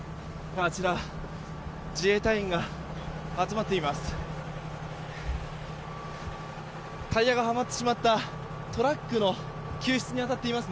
あちら自衛隊員が集まっています。